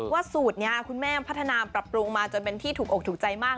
สูตรนี้คุณแม่พัฒนาปรับปรุงมาจนเป็นที่ถูกอกถูกใจมาก